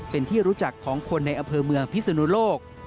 เป็นที่รู้จักของคนในอำเภอเมืองพิศนุโลก